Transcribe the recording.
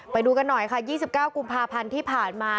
ไปดูกันหน่อยค่ะ๒๙กุมภาพันธ์ที่ผ่านมา